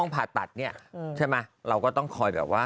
พาไปกินอาหารอย่างนี้หรือ